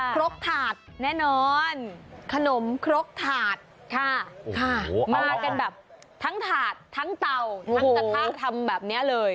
ครกถาดแน่นอนขนมครกถาดค่ะมากันแบบทั้งถาดทั้งเตาทั้งกระทะทำแบบนี้เลย